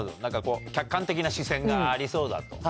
客観的な視線がありそうだと。